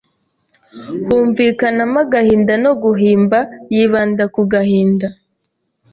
humvikanamo agahinda no guhimba yibanda ku gahinda